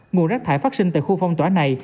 nguồn rác thải phát sinh tại khu phong tỏa này